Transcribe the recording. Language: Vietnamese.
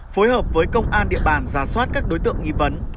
phối hợp với công an địa bàn giả soát các đối tượng nghi vấn